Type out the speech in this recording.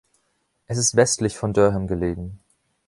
Es ist westlich von Durham gelegen.